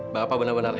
bapak benar benar baik